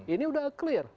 ini sudah clear